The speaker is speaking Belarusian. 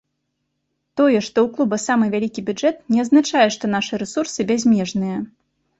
Тое, што ў клуба самы вялікі бюджэт, не азначае, што нашы рэсурсы бязмежныя.